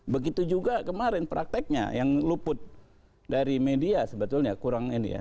begitu juga kemarin prakteknya yang luput dari media sebetulnya kurang ini ya